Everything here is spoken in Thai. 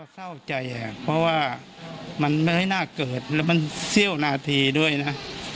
เศร้าใจเพราะว่ามันไม่ให้น่าเกิดแล้วมันเสี้ยวนาทีด้วยนะ